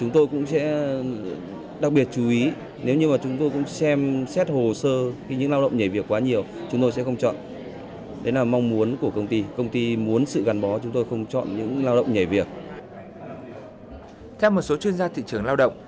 theo một số chuyên gia thị trường lao động